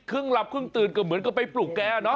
หลับครึ่งตื่นก็เหมือนกับไปปลุกแกเนาะ